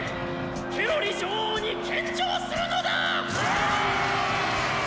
ケロリ女王に献上するのだ！」。